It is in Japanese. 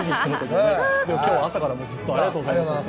でも、今日は朝からずっとありがとうございます。